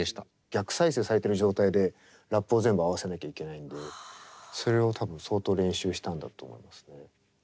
逆再生されてる状態でラップを全部合わせなきゃいけないんでそれを多分相当練習したんだと思いますね。